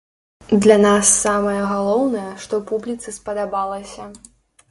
Для нас самае галоўнае, што публіцы спадабалася.